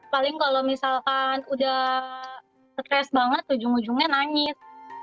paling kalau misalkan udah stres banget ujung ujungnya nangis